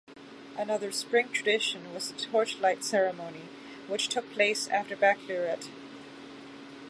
Another spring tradition was the Torchlight ceremony, which took place after baccalaureate.